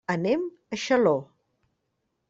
Anem a Xaló.